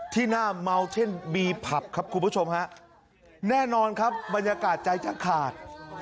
ที่หน้าเมาเช่นบีผับครับคุณผู้ชมฮะแน่นอนครับบรรยากาศใจจะขาด